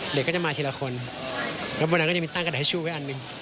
เดี๋ยวก็จะมาทีละคนแล้วบรรยาก็จะมีตั้งกระดาษชูไว้อันหนึ่ง